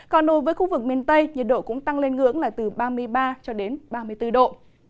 còn đối với khu vực miền tây nhiệt độ cũng tăng lên ngưỡng là từ ba mươi ba cho đến ba mươi bốn độ